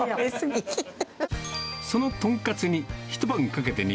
その豚カツに、一晩かけて煮